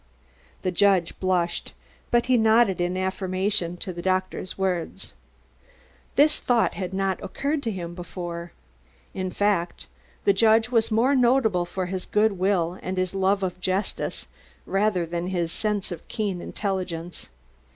The judge blushed, but he nodded in affirmation to the doctor's words. This thought had not occurred to him before. In fact, the judge was more notable for his good will and his love of justice rather than for his keen intelligence.